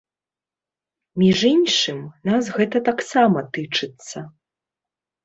Між іншым, нас гэта таксама тычыцца.